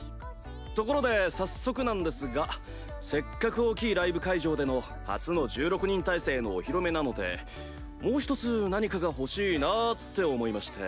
ところで早速なんですがせっかく大きいライブ会場での初の１６人体制のお披露目なのでもう一つ何かが欲しいなぁって思いまして。